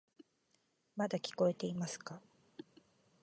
まだ聞こえていますか？